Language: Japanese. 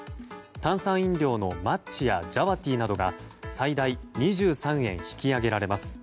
炭酸飲料のマッチやジャワティなどが最大２３円引き上げられます。